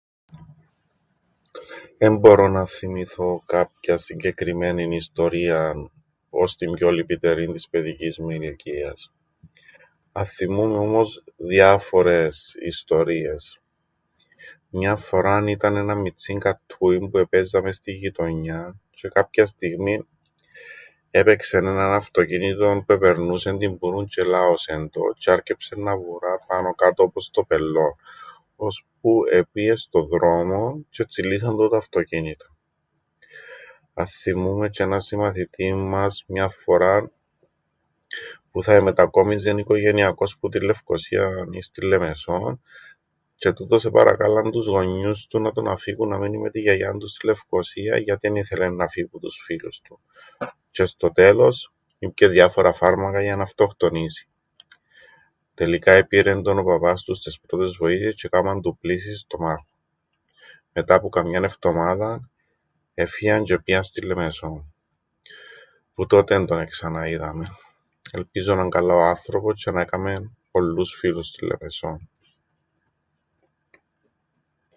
Εν μπορώ να θθυμηθώ κάποιαν συγκεκριμένην ιστορίαν ως την πιο λυπητερήν της παιδικής μου ηλικίας. Αθθυμούμαι όμως διάφορες ιστορίες. Μιαν φοράν ήταν έναν μιτσίν καττούιν που επαίζαμεν στην γειτονιάν τζ̆αι κάποιαν στιγμήν έπαιξεν έναν αυτοκίνητον που επερνούσεν την πουρούν τζ̆αι ελάωσεν το τζ̆αι άρκεψεν να βουρά πάνω κάτω όπως το πελλόν, ώσπου επήεν στον δρόμον τζ̆αι ετσιλλήσαν το τα αυτοκίνητα. Αθθυμούμαι τζ̆αι έναν συμμαθητήν μας μιαν φορά που θα εμετακόμιζεν οικογενειακώς που την Λευκωσίαν εις την Λεμεσόν τζ̆αι τούτος επαρακάλαν τους γονιούς του να τον αφήκουν να μείνει με την γιαγιάν του στην Λευκωσίαν γιατί εν ήθελεν να φύει που τους φίλους του τζ̆αι στο τέλος ήπιεν διάφορα φάρμακα για να αυτοκτονήσει. Τελικά επήρεν τον ο παπάς του στες πρώτες βοήθειες τζ̆αι εκάμαν του πλύσην στομάχου. Μετά που καμιάν εφτομάδαν εφύαν τζ̆αι επήαν στην Λεμεσόν. Που τότε εν τον εξαναείδαμεν. Ελπίζω να εν' καλά ο άνθρωπος τζ̆αι να έκαμεν πολλούς φίλους στην Λεμεσό.